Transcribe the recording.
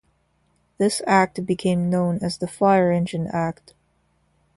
This Act became known as the "Fire Engine Act".